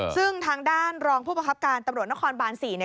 ซึ่งทางด้านรองผู้ประคับการตำรวจนครบาน๔เนี่ย